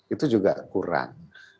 itu juga kurang